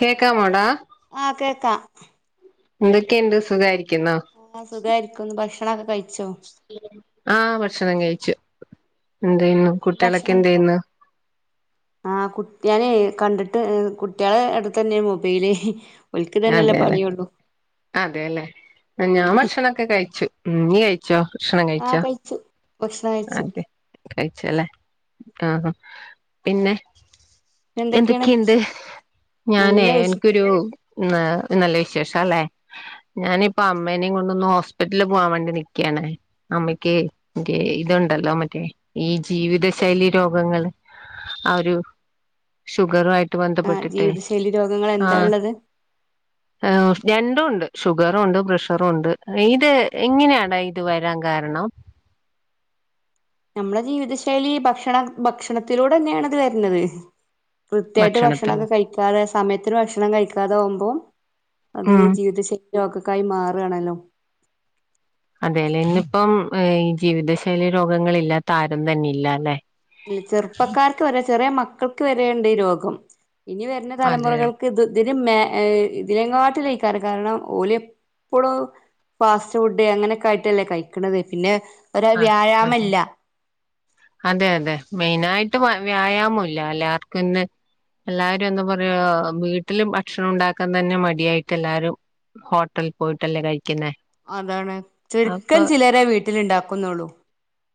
കേക്കാമോടാ ആഹ് കേക്കാ എന്തൊക്കെണ്ട് സുഖായ്ര്ക്കിന്നോ ആഹ് സുഖായിരിക്കുന്ന് ഭക്ഷണൊക്കെ കൈച്ചോ ആഹ് ഭക്ഷണം കഴിച്ചു എന്തെയ്ന്നു കുട്ട്യാളൊക്കെ ഭക്ഷണം എന്തെയ്ന്നു ആഹ് കുട്ട്യാനെ കണ്ടിട്ട് ഏഹ് കുട്ട്യാളെ എട്തെന്നെ മൊബെയില് അതെല്ലെ അതെല്ലെ ഞാൻ ഭക്ഷണക്കെ കഴിച്ചു മ് നീ കഴിച്ചോ ഭക്ഷണം ആഹ് കഴിച്ചോ കഴിച്ചു ഭക്ഷണം കഴിച്ചു അതെ കഴിച്ചല്ലേ ആഹ പിന്നെ എന്തൊക്കെയാണ് എന്തൊക്കെണ്ട് ഞാനേ നല്ല വിശ എൻക്കൊരു ന്നാ നല്ല വിശേഷല്ലെ ഞാനിപ്പോ അമ്മേനേ കൊണ്ടൊന്ന് ഹോസ്പിറ്റൽ പോവാൻ വേണ്ടി നിക്ക്യാണേ അമ്മയ്ക്ക് ഗേ ഇതുണ്ടല്ലോ മറ്റേ ഈ ജീവിത ശൈലി രോഗങ്ങള് ആഹ് ഒരു ഷുഗറു ആയിട്ട് ആഹ് ബന്ധപ്പെട്ടിട്ടെ ജീവിതശൈലി രോഗങ്ങൾ എന്താ ആഹ് ഉള്ളത് ആഹ് രണ്ടുണ്ട് ഷുഗറുണ്ട് പ്രഷറുണ്ട് ഇത് എങ്ങന്യാട ത് വരാൻ കാരണം നമ്മളെ ജീവിതശൈലി ഭക്ഷണം ഭക്ഷണത്തിലൂടെന്നേണ് ഇത് വര്ന്നത് കൃത്യായിട്ട് ഭക്ഷണത്തിൽ ഭക്ഷണൊക്കെ കഴിക്കാതെ സമയത്തിന് ഭക്ഷണം കഴിക്കാതാവ്മ്പോ അതേ ഉം ജീവിത ശൈലീ രോഗൊക്കായി മാറാണല്ലോ അതെല്ലേ ഇന്നിപ്പം ഈ ജീവിതശൈലി രോഗങ്ങളില്ലാത്ത ആരും തന്നില്ലാലെ ഇല്ല ചെർപ്പക്കാർക്ക് വരെ ചെറ്യെ മക്കക്ക് വരേണ്ട് ഈ രോഗം ഇനി വെര്നെ അതെ തലമുറകൾ ഇത് ഇതിന് മേ ഇതിലെങ്ങാട്ടിലെയ്ക്കാരം കാര്ണം ഓലെപ്പളും ഫാസ്റ്റ് ഫുഡ് അങ്ങെനൊക്കിയ്ട്ടല്ലേ കൈക്ക്ണത് പിന്നെ ഒരു ആഹ് പർഞ്ഞോ വ്യായാമല്ല അതെ അതെ മെയ്നായിട്ട് വ്യായാമൊല്ല എല്ലാർക്കുന്ന് എല്ലാരും എന്താ പറയാ വീട്ടിലും ഭക്ഷണം ഉണ്ടാക്കാൻ തന്നെ മടിയായിട്ട് എല്ലാരും ഹോട്ടൽ പോയിട്ടല്ലേ കഴിക്കിന്നേ അതാണ് ചുരുക്കം ചിലെരെ വീട്ടിൽ ഇണ്ടാക്കിന്നൊള്ളു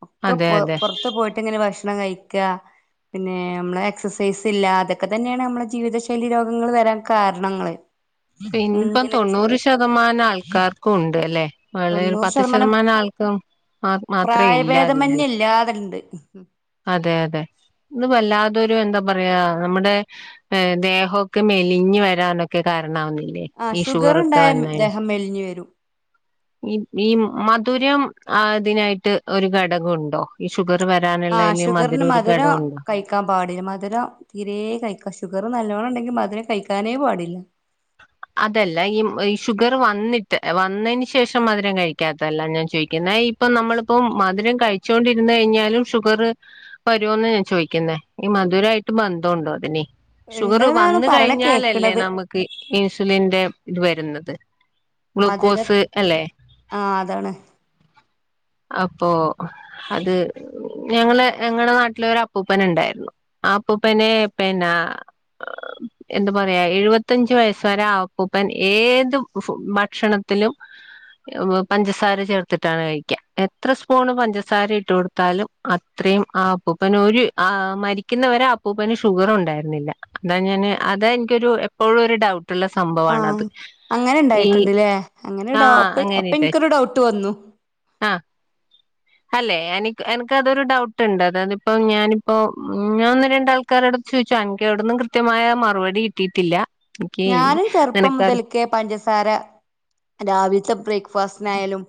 ഒക്കെ അതെ പൊ അതെ പൊർ ത്ത് പോയിട്ടീങ്ങനെ ഭക്ഷ്ണം കൈക്ക പിന്നെ അമ്മളെ എക്സർസൈസില്ല അതൊക്കെ തന്നെയാണ് നമ്മുടെ ജീവിത ശൈലി രോഗങ്ങള് വരാൻ കാരണങ്ങളേ. പിന്നിപ്പം തൊണ്ണൂറു ശതമാനം ആൾക്കാർക്കും ഉണ്ടല്ലെ! വളേ ഒരു പത്ത് ശതമാനം ആൾക്കും മാത്രേ ഇല്ലാതിള്ളൂ. ഇല്ലാതണ്ട് ഊഹും. അതെ അതെ ഇന്ന് വല്ലാതൊരു എന്താ പറയാ നമ്മടെ ഏഹ് ദേഹൊക്കെ മെലിഞ്ഞു വരാനൊക്കെ കാരണാവുന്നില്ലേ. ആഹ് ഈ ഷുഗറൊക്കെ ഷുഗറുണ്ടായാ വന്ന ദേഹം മെലിഞ്ഞു വരും. ഈ ഈ മധുരം ആ ഇതിനായിട്ട് ഒരു ഘടകംണ്ടോ.? ഈ ഷുഗർ വരാനുള്ളതിൽ മധുര ഒരു ഘടകണ്ട്. ക്കാൻ പാടില്ല മധുരം തീരെ കഴിക്കാ ഷുഗർ നല്ലോണം ഉണ്ടെങ്കി മധുരം കഴിക്കാനേ പാടില്ല. അതല്ല ഈഹ് ഈ ഷുഗർ വന്നിട്ട് വന്നതിന് ശേഷം മധുരം കഴിക്കാത്തല്ല ഞാ ചോദിക്കുന്നേ ഈഹ് ഇപ്പം നമ്മളിപ്പം മധുരം കഴിച്ചോണ്ടിരുന്നു കഴിഞ്ഞാലും ഷുഗറെ വരുവോന്നാ ഞാൻ ചോദിക്കുന്നേ ഈ മധുരായിട്ട് ബന്ധോണ്ടോ അതിന് ഷുഗറു ഉണ്ട്ന്നാണ് വന്നു പറയണ കഴിഞ്ഞാലല്ലേ കേക്കണത് നമുക്ക് ക്ക്‌ ഇൻസുലിന്റെ ഇതു വരുന്നത്. മധുരത് ഗ്ലൂക്കോസ് അല്ലെ ആഹ് അതാണ്. അപ്പോ അത് ഞങ്ങളെ ഞങ്ങടെ നാട്ടിലൊരപ്പൂപ്പനൊണ്ടായിരുന്നു ആഹ് അപ്പൂപ്പനെ പിന്നാ, എന്തു പറയാ എഴുപത്തഞ്ചു വയസ്സൊരാ ആപ്പൂപ്പൻ ഏതു ഫൂ ഭക്ഷണത്തിലും എഹ് വൂഹ് പഞ്ചസാര ചേർത്തിട്ടാണ് കഴിക്ക എത്ര സ്പൂണു പഞ്ചസാര ഇട്ടു കൊടുത്താലും അത്രയും ആഹ് ആപ്പൂപ്പനൊരു ആഹ് മരിയ്ക് ക്കുന്നവരെ ആഹ് അപ്പൂപ്പന് ഷുഗറുണ്ടായിരുന്നില്ല അതാ ഞാനെ അതാ എനിയ്ക്കൊരു എപ്പോഴൊരു ഡൗട്ട് ഉള്ള ആ സംഭമാണത് അങ്ങനെ ഈഹ് ഉണ്ടായിട്ടുണ്ട്ല്ലേ ആഹ് അങ്ങനിട്ടെ ട്ടു വന്നു ആഹ് അല്ലേ എനിക്ക് എനക്കതൊരു ഡൗട്ടുണ്ട് അതായതിപ്പം ഞാനിപ്പം ഒന്ന് രണ്ടാൾ ൾക്കാരോട ചോദിച്ചാ അങ്കയോട്ടൊന്നും കൃത്യമായ മറുപടി കിട്ടിയിട്ടില്ല എനിയ്ക്കേ അങ്ങനക്കാർ ക്കെ പഞ്ചസാര രാവിലത്തെ ബ്രേക്ക്ഫാസ്റ്റിനായാലും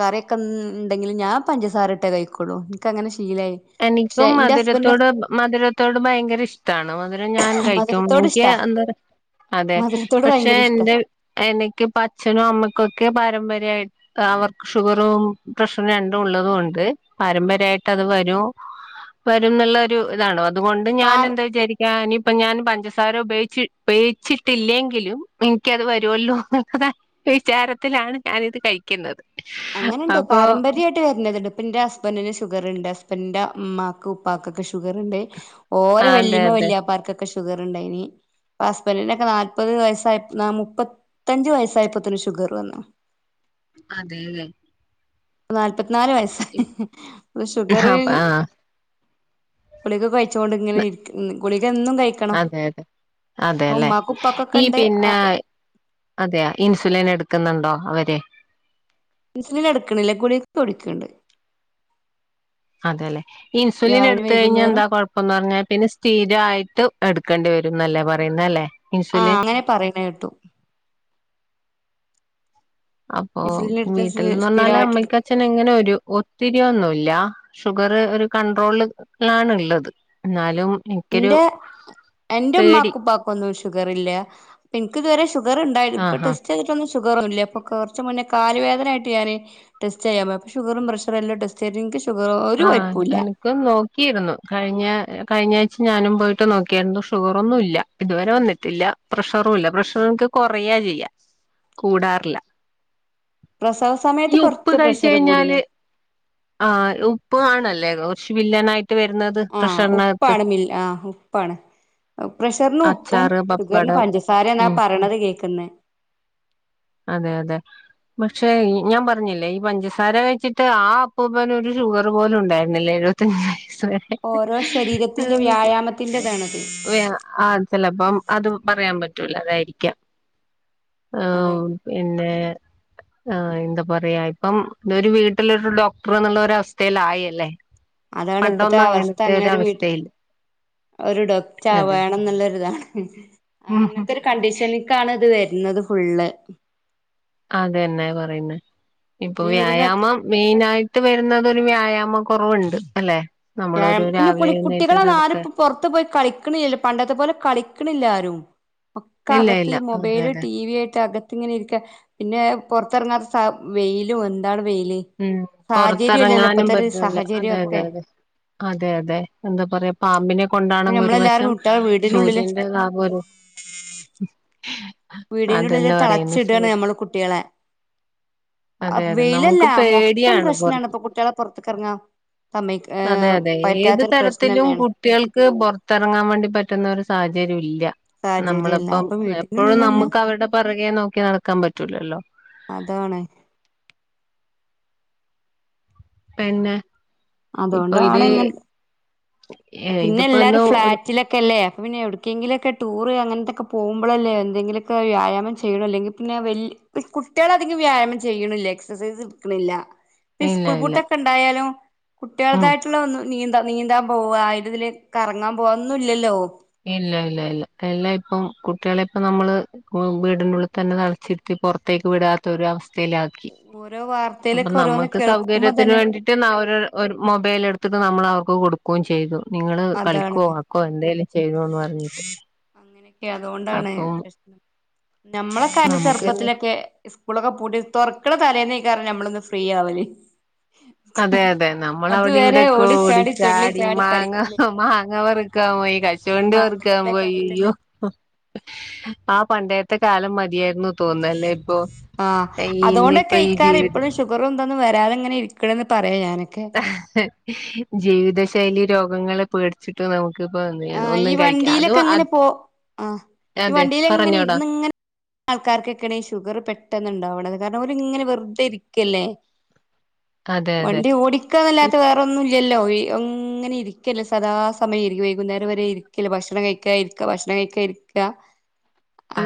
കറീക്കെ ഉ ഉണ്ടെങ്കിലും ഞാൻ പഞ്ചസാര ഇട്ടേ കഴിക്കോ. ളൂ എനിക്കങ്ങനെ ശീലായി പക്ഷെ എനിക്കും എന്റെ ഹസ്ബൻഡ് മധുരത്തോട് മധുരത്തോട് ഭയങ്കര ഇഷ്ടാണ് മധുരം ഞാൻ കഴിക്ക്‌ ക്കും മധുരത്തോട് എനിക്കെ ഇഷ്ടാ എന്താ അതെ മധുരത്തോട് പക്ഷെ ഭയങ്കര ഇഷ്ടാ എന്റെ എനക്കിപ്പ അച്ഛനും അമ്മക്കൊക്കെ പാരമ്പര്യായിട്ട് ക്കവർക്ക് ഷുഗറും പ്രഷറും രണ്ടും ഉള്ളതും കൊണ്ട് പാരമ്പര്യായിട്ട് അത് വരുവോ വരുംന്നൊള്ളൊരു ഇതാണ് അതുകൊണ്ട് പാറ ഞാനെന്താ വിചാരിക്ക്‌ ഞാനിപ്പം ഞൻ പഞ്ചസാര ഉപയോഗിച്ചി ഉപയോഗിച്ചിട്ടില്ലേങ്കിലും എനിക്കതുവരുവല്ലോ വിചാരത്തിലാണ് ഞാനിത് കഴിക്കുന്നത് അപ്പോ, ന്റെരെന്റെടെടുപ്പിന്റെ ഹസ്ബന്റിന് ഷുഗറുണ്ട് ഹസ്ബൻഡന്റെ അമ്മാക്ക്‌ ഉപ്പാക്കൊക്കെ ഷുഗറുണ്ട്. ഓരോ അതെ വെല്ലിയമ്മ അതെ വല്ലിയോപ്പാർക്കൊക്കെ ഷുഗറുണ്ടയിന്. ഹസ്ബന്ഡിനൊക്കെ നാല്പത് വയസായപ്പ് ആഹ് മുപ്പത്തഞ്ചു വയസ്സായപ്പോത്തേന് ഷുഗറു വന്നു. അതേല്ലെ! നാല്പത്തിനാല് വയസ്സായി ഉ ഷുഗരീ.. ആ ഗുളിക കഴിച്ചോണ്ടിങ്ങനെ അതെ ഇരിക്ക്, ഗുളിക എന്നും കഴിക്കണം. അപ്പൊ അതേല്ലേ ഉമ്മാക്കും ഉപ്പാക്കൊക്കെ ഈ ഉണ്ട് പിന്നായ്, അതെയ് ഇൻസുലിൻ എടുക്കുന്നുണ്ടോ അവരെ! ഇൻസുലിനെടുക്കണില്ല ഗുളിക തൊടിക്കണ്ട്. അതെല്ലെ ഇൻസുലിൻ രാവിലെ എടുത്തു കഴിഞ്ഞാ വൈകുന്നേരം എന്താ കുഴപ്പ് ഒന്നു പറഞ്ഞാ പിന്നെ സ്ഥിരായിട്ട് എടുക്കേണ്ടി വരുംന്നല്ലേ പറയുന്നല്ലേ ആഹ് ഇൻസുലിൻ അങ്ങനെ പറയണ കേട്ടു അപ്പൊ ഇൻസുലിൻ എടുത്ത വീട്ടിൽന്നന്നലെ സ്ഥിരമായിട്ട് അമ്മയ്ക്കും അച്ഛ അച്ഛനങ്ങനെ ഒരു ഒത്തിരിയൊന്നുല്ല ഷുഗർ ഒരു കൺട്രോളില് ലാണ്ള്ളത്.. എന്നാലും ഇന്റെ പേടി എന്റെമ്മാക്കും പ്പാക്കൊന്നും ഷുഗർ ഇല്ല പ്പോ എനിക്കിതുവരെ ഷുഗർ ഇണ്ടായി ഇപ്പ ആഹാ ടെസ്റ്റ് റ്റെതിട്ടൊന്നും ഷുഗറ് ഇല്ല പ്പോ കൊറച്ച് മുന്നേ കാല് വേദനയിട്ട് ഞാന് ടെസ്റ്റ് ചെയ്യാൻ പോയപ്പോ ഷുഗറും പ്രഷറെല്ലാം ടെസ്റ്റ് ചെയ്ത് ഇൻക് ഷു ആഹ എന ഒക്കെ നോക്കിയിരുന്നു കഴിഞ്ഞ കഴിഞ്ഞ ആഴ്ച ഞാനും പോയിട്ട് നോക്കിരുന്നു ഷുഗറൊന്നുല്ല. ഇതുവരെ വന്നിട്ടില്ല പ്രഷറും ഇല്ല പ്രഷറൊക്കെ കൊറെയാ ചെയ്യാ കൂടാറില്ല പ്രസവ ഈ സമയത്ത് ഉപ്പ് കുറച്ച് കഴിച്ചു പ്രഷർ കഴിഞ്ഞാലെ കൂടിന്ന് ആഹ് ലുഉപ്പു ആണല്ലേ കുറച്ച് വില്ലനായിട്ട് വരുന്നത് ആഹ പ്രഷറിനകത്ത് ഉപ്പാണ് മിൽ ആഹ് ഉപ്പാണ് പ്രഷറിന് ഉപ്പും അച്ചാറ് ഷുഗറിന് പപ്പടം പഞ്ചസാരന്നാ ഉം പറയണത് കേക്കുന്നേ അതെ അതെ പക്ഷെ ഞാൻ പറഞ്ഞില്ലേ ഈ പഞ്ചസാര കഴിച്ചിട്ട് ആഹ് അപ്പൂപ്പന് ഒരു ഷുഗറ് ഗർ പോലും ഉണ്ടായിരുന്നില്ല എഴുപത്തഞ്ച് വയസ്സ് വരെ. ഓരോ ശരീരത്തിന്റെ ആഹ് വ്യായാമത്തിന്റെതാണത് വേ അ ചെലപ്പം അത് പറയാൻ പറ്റൂല അതായിരിക്കാം. അതെ പിന്നെ ആഹ് എന്താ പറയാ ഇപ്പം ഇതൊരു വീട്ടിലൊരു ഡോക്ടർന്നുള്ള ഒരവസ്ഥയിലായില്ലേ അതാണ് ഇപ്പത്തെ അവസ്ഥ അങ്ങനെ ഒരു വീട്ടിൽ അവസ്ഥയില്ല ഒരു ഡൊക്റ്റ ആഹ് അതെ വേണം എന്നുള്ളൊരിതാണ്. ആഹ് ഉം അങ്ങനത്തൊരു കണ്ടീഷനിക്കാണ് ഇത് വരുന്നത് ഫുള്ള്. അതെന്നെ പറയുന്നേ ഇപ്പൊ ഇനി വരുന്ന വ്യായാമം മെയിനായിട്ട് വരുന്നത് ഒരു വ്യായാമ കൊറവുണ്ട് അല്ലെ നമ്മളൊരു പിന്നെ രാവിലെ കുളി എഴുന്നേറ്റ് നടക്ക കുട്ടികളന്നാരും പ്പോ പൊറത്ത് പോയി കളിക്കണില്ലല്ല പണ്ടത്തെ പോലെ കളിക്കണില്ലാരും. ഒക്കെ ഇല്ല അകത്ത് ഇല്ല ഈ അതെ മൊബൈല് അതെ ടി വി ആയിട്ട് അക ത്തിങ്ങനെ ഇരിക്ക പിന്നെ പൊറത്തെറങ്ങാത്ത സ വെയിലും എന്താണ് വെയില് ഉം സാഹചര്യം ഇല്ലല്ലോ പൊറത്തെറങ്ങാനും ഇപ്പത്തെ ഒരു പറ്റുന്നില്ല സാഹചര്യം അതെ അതെ ഒക്കെ അതെ അതെ അതെ എന്താ പറയാ പാമ്പിനെ ഇപ്പൊ കൊണ്ടാണെങ്കി ഒരു നമ്മളെല്ലാരും വശം കുട്ടികളെ വീടിനുള്ളില് സൂര്യന്റെ താഭം ഒര് [inaudible] വീടിന്റെള്ളില് പറയുന്നെ സൂ തളച്ചിടാണ് നമ്മള് കുട്ടികളെ അതെ അതെ വെയിലല്ല നമുക്ക് ആഹ് മൊത്തം പേടിയാണ് പൊറ പ്രശ്നാണ് ഇപ്പൊ കുട്ടികളെ പൊറത്തക്കറങ്ങ സമ്മയി അതെ ഏഹ് അതെ ഏത് പറ്റാത്തൊരു തരത്തിലും പ്രശ്നന്നെണ്. കുട്ടികൾക്ക് പൊറത്തറങ്ങാൻ വേണ്ടി പറ്റുന്ന ഒരു സാഹചര്യം ഇല്ല. സാഹചര്യല്ല നമ്മളിപ്പം അപ്പൊ എപ്പോഴും വീട്ടിനുള്ളിൽ തന്നെ നമുക്ക് അവരുടെ പറകെ നോക്കി നടക്കാൻ പറ്റൂലല്ലോ. അതാണ് പിന്നെ ഇപ്പൊ ഇത് അതോണ്ടാണ് ഇങ്ങന ഏ, പിന്നെ ഇതിപ്പോ എല്ലാരും ഇന്ന് ഒരു ഫ്ലാറ്റിലൊക്കെല്ലേ അപ്പോ പിന്നെ എവിടു ക്കെങ്കിലൊക്കെ ടൂറ് അങ്ങനത്തെയൊക്ക പോകുമ്പഴല്ലേ എന്തങ്കിലൊക്കെ വ്യായാമം ചെയ്യള്ളു അല്ലെങ്കി പിന്നെ വല്യ കുട്ടേളധികം വ്യായാമം ചെയ്യണില്ല എക്സസൈസ് ഇടുക്ക്ണില്ല. ഈ ഇല്ല സ്കൂൾ ഇല്ല ബൂട്ടൊക്കെ ഉണ്ടായാലും ഉം കുട്ടേൾകായിട്ടുള്ള ഒന്നും നീന്താ നീന്താൻ പോവ തില് കറങ്ങാൻ പോവ ഒന്നുല്ലല്ലോ ഇല്ല ഇല്ല ഇല്ല എല്ലാം ഇപ്പം കുട്ടികളെ ഇപ്പൊ നമ്മള് സ്കൂ വീടിനുള്ളിൽ തന്നെ തളച്ചിരുത്തി പൊറത്തേക്ക് വിടാത്തൊരു അവസ്ഥയിലാ ക്കി ഓരോ അപ്പൊ വാർത്തയിലൊക്കെ ഓരോന്ന് നമ്മക്ക് കേൾക്കുമ്പോ സൗകര്യത്തിന് തന്നെ വേണ്ടി ട്ട് ന്ന ഒരു ഒര് മൊബൈലെടുത്തിട്ട് നമ്മൾ അവർക്ക് കൊടുക്കും ചെയ്തു നിങ്ങള് അതാണ് കളിക്കോ ക്കോ എന്തേലും ചെയതോന്ന് പറഞ്ഞ് അങ്ങനെയൊക്കെ അതുകൊണ്ടാണ് അപ്പം പ്രശ് നമ്മളൊക്കൊരെ നമുക്ക്ന്ന് ചെറുപ്പത്തിലൊക്കെ ഇസ്കൂളൊക്കെ പൂട്ടി തൊറക്കണ തലേന്നേക്കാരം നമ്മളൊന്ന് ഫ്രീയാവല്. അതെ അതെ നമ്മളവിടെ അതുവരെ വിടെൊക്കെ തുള്ളി ഓടിച്ചാടി ചാടി മാങ്ങ കളിക്കല് ഹ് മാങ്ങ വർ ക്കാൻ പോയി കശു ഈ വണ്ടി വർക്കാൻ മാങ്ങക്കാലൊക്കെ പോയി യ്യോ ആയിട്ട്ന്നെ ആ പണ്ടേത്തെ കാലം മതിയായിരുന്നു തോന്നല്ലേ ഇപ്പൊഅ ഇന്നിപ്പോ ഈ ജീവിതം അപ്പു റംന്തന്ന് വരാതേങ്ങെനെ ഇരിക്കണ എന്ന് പറയാ ഞാൻ ഹ ഹ് ജീവിത ശൈലി രോഗങ്ങൾ പേട ചിട്ടും നമുക്കിപ്പ [unintelligible] ആഹ് ഈ ഒന്നും കഴിക്കാം അത് വണ്ടിയിലൊക്കെ അ ഇങ്ങനെ പോ ആഹ് ഈ വണ്ടിൽ എങ്ങനെ ഇരുന്ന്ങ്ങനെ ആൾക്കാർക്കൊക്കെയാണ് ഈ ഷുഗർ പെട്ടെന്നുണ്ടാവണത് കാരണം അവരിങ്ങെ വെറുതെ ഇരിക്കല്ലേ [inaudible] അതെ അതെ വണ്ടി ഓടി ക്കാ ന്നല്ലാത്ത വേറൊന്നും ഇല്ലല്ലോ അങ്ങനെ ഇരിക്കല്ലെ സദാ സമയംരിക്ക വൈകുന്നേം വരെ ഇരിക്കല ഭക്ഷണം കഴിക്കാ ഇരിക്ക ഭക്ഷണം കഴിക്കാ ഇരിക്ക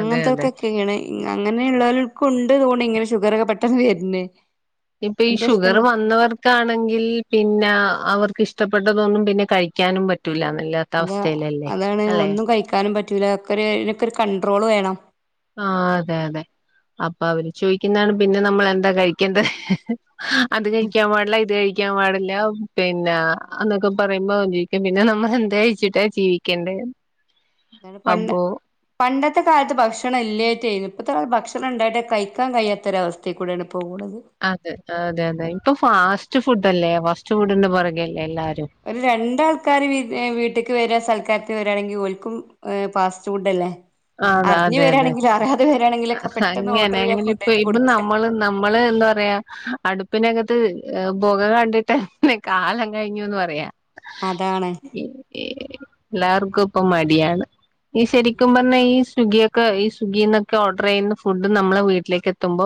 അതെ അതെ അങ്ങനെയുള്ളവല് ക്ക് ണ്ട് തോണി ഇങ്ങനെ ഷുഗർൊക്കെ പെട്ടെന്ന് വര് ണ് ഇപ്പൊ ഈ ഷുഗർ വന്നവർ ക്കാണെങ്കിൽ പിന്നെ അവർക്ക് ഇഷ്ടപ്പെട്ടതൊന്നും പിന്നെ കഴിക്കാനും പറ്റൂല്ല നല്ല അത അതാണ് ഒന്നും കഴിക്കാനും പറ്റൂല ഒക്കെ ഇതിനൊക്കെ ഒരു കണ്ട്രോൾ വേണം ആ അതെ അതെ അപ്പൊ അവര് ചോദിക്കുന്നാണ് പിന്നെ നമ്മൾ എന്താ കഴിക്കേണ്ടത്ഹ് ഹ് ഹ് ഹ് അത് കഴിക്കാൻ പാടില്ല ഇത് കഴിക്കാൻ പാടില്ലഉം പിന്നെ അന്നൊക്കെ പറയുമ്പോ ജീവിക്ക പിന്നെ നമ്മൾ എന്തായച്ചിട്ടാ ജീവിക്കേണ്ടേ ഇതാണ് പണ്ട് പണ്ടത്തെ കാലത്ത് ഭക്ഷണം ഇല്ലായിറ്റെയ് നു ഇപ്പത്തെ കാല ഭക്ഷണം ഉണ്ടായിട്ട് കഴിക്കാൻ കഴിയാത്തൊരവസ്ഥ ത്തെ കൂടെ [unintelligible] അത് അതെ അതെ ഇപ്പൊ ഫാസ്റ്റ് ഫുഡല്ലേ ഫാസ്റ്റ് ഫുഡ്ന്റെ പുറകല്ലേ എല്ലാരും ഒരു രണ്ടാൾക്കാര് വിര് വീട്ടക്ക് വര സൽക്കാരത്തി വരാവാണെങ്കിൽ ഓര്ക്കും ഫാസ്റ്റ് ഫുഡ് അല്ലേ അതെ അറിഞ്ഞു അതെ അതെ വരാണെങ്കിലും അറിയാതെ വരാണെങ്കിലൊക്കെപെട്ടെന്ന് അങ്ങനെ ഓർഡർ ചെയ്യാൻ അങ്ങനെ ഇപ്പ കൊടനെ ഇപ്പൊ കൊടുക്കഹ് നമ്മള് നമ്മള് എന്താ പറയാ അടുപ്പിനകത്ത്ബുക കണ്ടിട്ട് ഹ് കാലം കഴിഞ്ഞുന്ന് പറയാ അതാണ് ഇ ഈ എല്ലാർക്കും ഇപ്പ മടിയാണ് ഇനി ശരിക്കും പറഞ്ഞാ ഈ സ്വിഗിയൊക്കെ ക്കെ ഈ സ്വിഗ്ഗി ന്നൊക്കെ ഓർഡർ ചെയ്യുന്ന ഫുഡ് നമ്മളെ വീട്ടിലേക്ക് എത്തുമ്പോ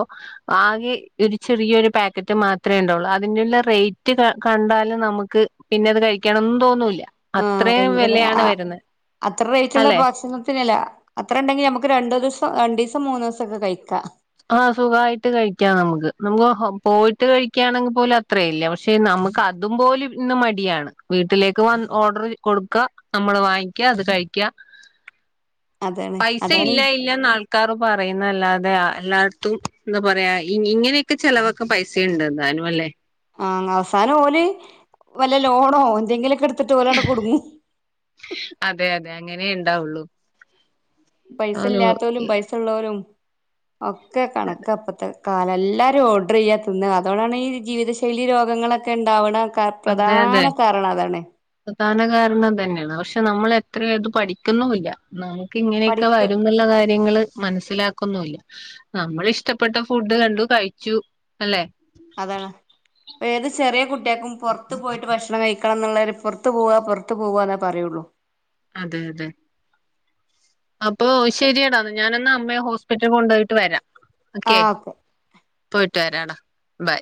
ആകെ ഒരു ചെറിയൊരു പാക്കറ്റ് മാത്രെ ഉണ്ടാവുള്ളൂ അതിന്റെുള്ള റേറ്റ് കണ്ടാല് നമുക്ക് പിന്നെ അത് കഴിക്കണംന്നും തോന്നൂല്ല ആഹ അത്രയും ഭയങ്കര വിലയാണ് ആ വരുന്നത് അത്ര റേറ്റുള്ള അല്ലെ ഭക്ഷണത്തിനല്ലാ അത്ര ഉണ്ടെങ്കിൽ നമുക്ക് രണ്ട് ദിവസം രണ്ടീസം മൂന്ന്സൊക്കെ കഴിക്കാം ആഹ സുഖായിട്ട് കഴിക്കാം നമുക്ക് നമുക്ക് പോയിട്ട് കഴിക്കയാണെങ്കിൽ പോലും അത്രല്ല പക്ഷെ നമുക്ക് അതുംപോലും ഇന്ന് മടിയാണ് വീട്ടിലേക്ക് വ ഓർഡർ കൊടുക്ക നമ്മള് വാങ്ങിക്ക അത് കഴിക്ക അതാണ് പൈസ അതാണ് ഇല്ല ഇല്ലന്ന് ആൾക്കാർ പറയുന്ന അല്ലാതെ എല്ലാടത്തും എന്താ പറയാ ഇങ്ങനെയൊക്കെ ചെലവക്കെ പൈസുണ്ട് എന്താലും അല്ലേ ആഹ അവസാനം ഓല് വല്ല ലോണോ എന്തെങ്കിലൊക്കെ ടുത്തിട്ട് ഓലങ്ങട് കുടുങ്ങും അതെ അതെ അങ്ങനെ ഉണ്ടാവുള്ളു പൈസ ഇല്ലാത്തോലും പൈസ ഉള്ളവരും ഒക്കെ കണക്ക ഇപ്പത്തെ കാലം എല്ലാരും ഓർഡർ ചെയ്യാതിന്നാ അതോണ്ടാണ് ഈ ജീവിതശൈലി രോഗങ്ങളൊക്കെ ഉണ്ടാവണകാ അതെ അതെ പ്രധാന കാരണംഇതന്നെയാണ് പക്ഷെ നമ്മൾ എത്ര അത് പഠിക്കുന്നുല്ല നമുക്ക് ഇങ്ങനെയൊക്കെ പഠിപ്പ് വരു ന്നുള്ള കാര്യങ്ങള് മനസ്സിലാക്കന്നൂല്ല നമ്മളിഷ്ടപ്പെട്ട ഫുഡ് കണ്ടു കഴിച്ചു അല്ലെ അതാണ് ഏത് ചെറിയ കുട്ട്യാക്കും പുറത്ത് പോയിട്ട് ഭക്ഷണം കഴിക്ക ക്കണം എന്നുള്ളവര് പൊറ്ത്ത് പോവ പൊറ്ത്ത് പോവ എന്നേ പറയുള്ളൂ. അതെ അതെ. അപ്പൊ ശരിയടാ ഞാൻ ഒന്ന് അമ്മയെ ഹോസ്പിറ്റല് കൊണ്ടുപോയിട്ട് വരാം. ഓക്കെ പോയിട്ട് വരാടാ ബൈ.